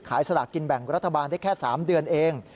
สลากินแบ่งรัฐบาลได้แค่๓เดือนเอง